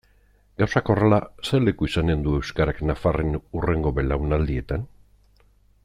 Gauzak horrela, zer leku izanen du euskarak nafarren hurrengo belaunaldietan?